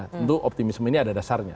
tentu optimisme ini ada dasarnya